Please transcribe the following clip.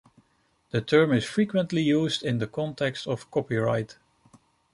The term is frequently used in the context of copyright.